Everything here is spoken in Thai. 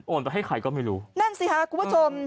ไปให้ใครก็ไม่รู้นั่นสิค่ะคุณผู้ชม